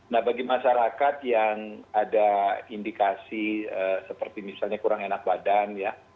nah bagi masyarakat yang ada indikasi seperti misalnya kurang enak badan ya